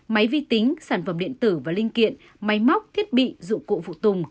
máy vi tính sản phẩm điện tử và linh kiện máy móc thiết bị dụng cụ phụ tùng